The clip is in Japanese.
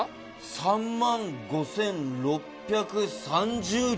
３万５，６３０両。